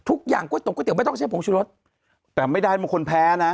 ทุกอย่างกล้วยตกก๋วยเตี๋ยวไม่ต้องใช้ผงชุรสแต่ไม่ได้บางคนแพ้น่ะ